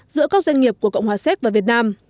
giữa các doanh nghiệp của cộng hòa séc và việt nam